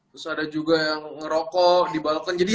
terus ada juga yang ngerokok dibalokkan jadi ya